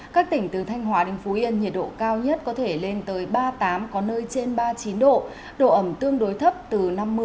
các tỉnh từ thanh hóa đến phú yên nhiệt độ cao nhất có thể lên tới ba mươi tám có nơi trên ba mươi chín độ độ ẩm tương đối thấp từ năm mươi